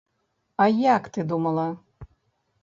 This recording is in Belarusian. А як ты думала?